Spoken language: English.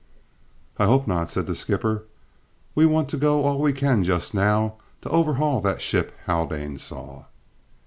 "I hope not," said the skipper. "We want to go all we can just now, to overhaul that ship Haldane saw."